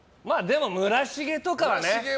村重とかはね。